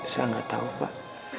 saya gak tahu pak